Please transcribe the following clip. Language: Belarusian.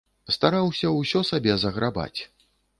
Стараўся ўсё сабе заграбаць.